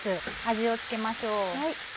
味を付けましょう。